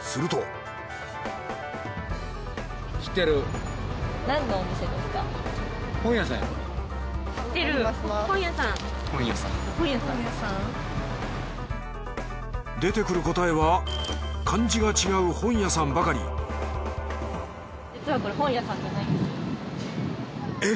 すると出てくる答えは漢字が違う本屋さんばかりえっ。